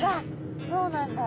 そうなんだ。